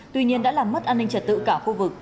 tuy nhiên đã làm mất an ninh trật tự cả khu vực